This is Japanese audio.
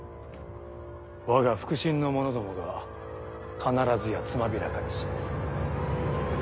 わが腹心の者どもが必ずやつまびらかにします。